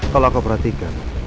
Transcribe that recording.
kalau aku perhatikan